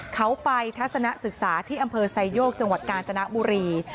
เขาไปทัศนศึกษาที่อำเภอไซโยกจังหวัดกาญจนบุรี